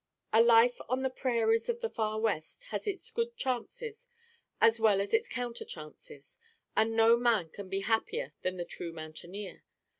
A life on the prairies of the "Far West" has its good chances as well as its counter chances, and no man can be happier than the true mountaineer.